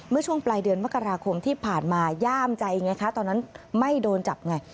ช่วงปลายเดือนมกราคมที่ผ่านมาย่ามใจไงคะตอนนั้นไม่โดนจับไง